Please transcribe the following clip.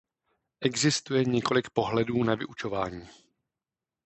Existuje několik pohledů na vyučování.